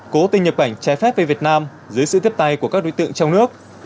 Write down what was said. cố tình nhập cảnh trái phép về việt nam dưới sự tiếp tay của các đối tượng trong nước